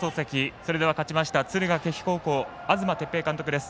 それでは勝ちました敦賀気比高校東哲平監督です。